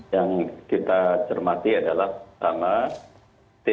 yang kita cermati adalah sama tbi